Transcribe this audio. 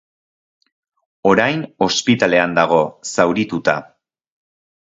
Orain, ospitalean dago, zaurituta.